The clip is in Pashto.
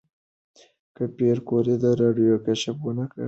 که پېیر کوري د راډیوم کشف ونکړي، نو نوبل جایزه به ترلاسه نه شي.